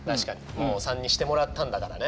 もう３にしてもらったんだからね。